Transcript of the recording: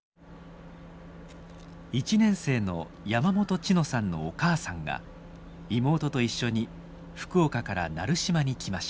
１年生の山本千乃さんのお母さんが妹と一緒に福岡から奈留島に来ました。